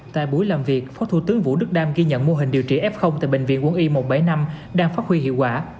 tại buổi làm việc phó thủ tướng vũ đức đam ghi nhận mô hình điều trị f tại bệnh viện quân y một trăm bảy mươi năm đang phát huy hiệu quả